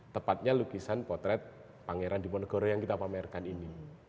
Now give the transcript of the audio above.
tepatnya lukisan potret pangeran diponegoro yang kita pamerkan ini